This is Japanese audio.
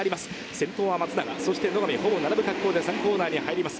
先頭はまつなが、そしてのがみ、ほぼ並ぶ格好で３コーナーに入ります。